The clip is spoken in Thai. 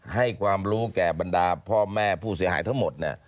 ให้ความรู้แก่บรรดาพ่อแม่ผู้เสียหายทั้งหมด